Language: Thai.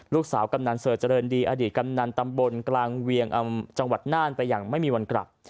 กำนันเสิร์ชเจริญดีอดีตกำนันตำบลกลางเวียงจังหวัดน่านไปอย่างไม่มีวันกลับ